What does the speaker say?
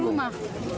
di depan rumah